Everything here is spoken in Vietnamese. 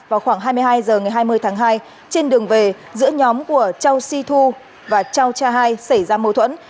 vào khoảng hai mươi hai h ngày hai mươi tháng hai trên đường về giữa nhóm của châu si thu và châu cha hai xảy ra mâu thuẫn